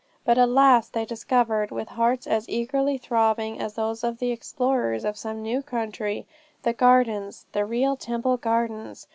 But at last they discovered, with hearts as eagerly throbbing as those of the explorers of some new country, the gardens, the real Temple Gardens!